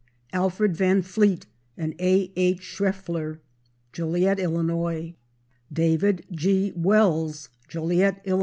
Alfred Van Fleet & A.H. Shreffler, Joliet, Ill. David G. Wells, Joliet, Ill.